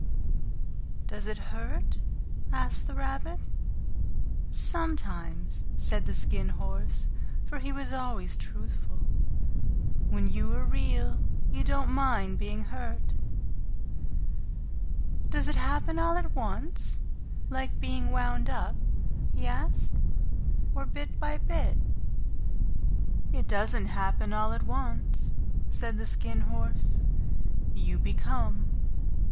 "Does it hurt?" asked the Rabbit. "Sometimes," said the Skin Horse, for he was always truthful. "When you are Real you don't mind being hurt." "Does it happen all at once, like being wound up," he asked, "or bit by bit?" "It doesn't happen all at once," said the Skin Horse. "You become.